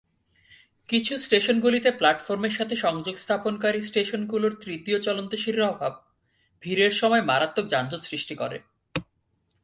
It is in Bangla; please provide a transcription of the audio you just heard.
কিছু স্টেশনগুলিতে প্ল্যাটফর্মের সাথে সংযোগ স্থাপনকারী স্টেশনগুলির তৃতীয় চলন্ত সিঁড়ির অভাব ভিড়ের সময়ে মারাত্মক যানজট সৃষ্টি করে।